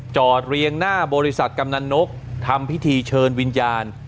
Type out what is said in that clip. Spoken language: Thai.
เรียงหน้าบริษัทกำนันนกทำพิธีเชิญวิญญาณ